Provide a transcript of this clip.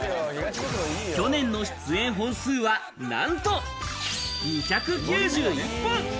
去年の出演本数は、なんと２９１本。